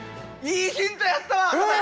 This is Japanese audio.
いいヒントやったわ。